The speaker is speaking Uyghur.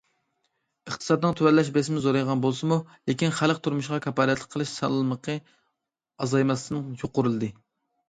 ئىقتىسادنىڭ تۆۋەنلەش بېسىمى زورايغان بولسىمۇ، لېكىن خەلق تۇرمۇشىغا كاپالەتلىك قىلىش سالمىقى ئازايماستىن يۇقىرىلىدى.